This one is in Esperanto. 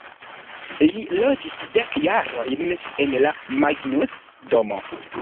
Li loĝis dek jarojn en la Magnus-Domo.